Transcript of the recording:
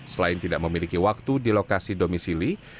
selain tidak memiliki waktu di lokasi domisili